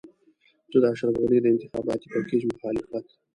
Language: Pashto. زه د اشرف غني د انتخاباتي پېکج مخالفت.